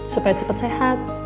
supaya cepet sehat